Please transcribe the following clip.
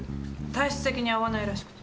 体質的に合わないらしくて。